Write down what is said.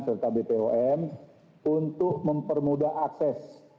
serta bpom untuk mempermudah akses